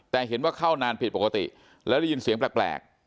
แต่เห็นว่าเข้านานผิดปกติแล้วได้ยินเสียงแปลก